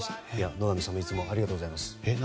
野上さんいつもありがとうございます。